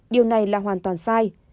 điều này là hoàn toàn sai